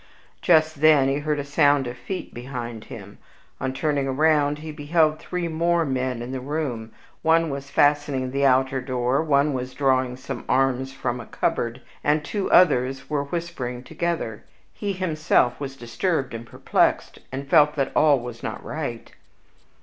Just then he heard a sound of feet behind him. On turning round, he beheld three more men in the room; one was fastening the outer door; one was drawing some arms from a cupboard, and two others were whispering together. He himself was disturbed and perplexed, and felt that all was not right.